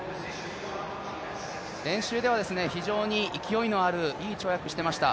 練習では非常に勢いのあるいい跳躍をしていました。